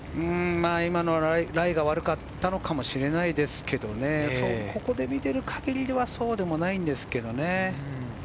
ライが悪かったのかもしれないですけれどもね、ここで見ている限りではそうでもないんですけどね。